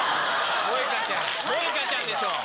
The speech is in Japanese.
モエカちゃんでしょ？